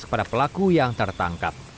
kepada pelaku yang tertangkap